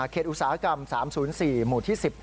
อุตสาหกรรม๓๐๔หมู่ที่๑๐